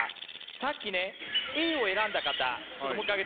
さっきねＡを選んだ方ちょっともう一回上げてください。